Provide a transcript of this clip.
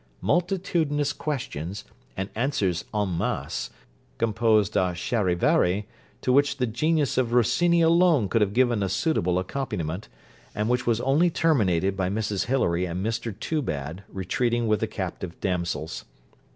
Multitudinous questions, and answers en masse, composed a charivari, to which the genius of Rossini alone could have given a suitable accompaniment, and which was only terminated by Mrs Hilary and Mr Toobad retreating with the captive damsels.